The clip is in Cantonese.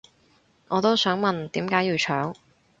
我都想問點解要搶